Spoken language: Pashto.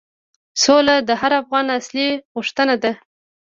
سوله د هر افغان اصلي غوښتنه ده.